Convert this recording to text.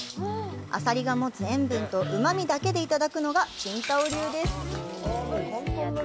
アサリが持つ塩分とうまみだけでいただくのが青島流です。